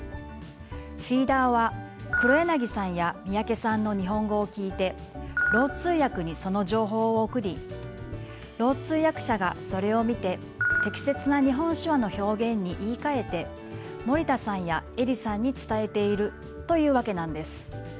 フィーダーは黒柳さんや三宅さんの日本語を聞いてろう通訳にその情報を送りろう通訳者がそれを見て適切な日本手話の表現に言いかえて森田さんや映里さんに伝えているというわけなんです。